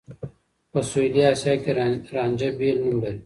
په سوېلي اسيا کې رانجه بېل نوم لري.